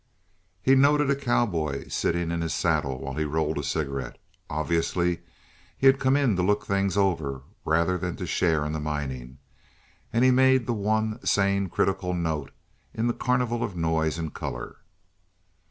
He noted a cowboy sitting in his saddle while he rolled a cigarette. Obviously he had come in to look things over rather than to share in the mining, and he made the one sane, critical note in the carnival of noise and color.